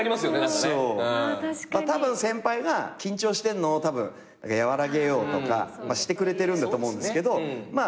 たぶん先輩が緊張してんのを和らげようとかしてくれてるんだと思うんですけどまあちょっと迷惑。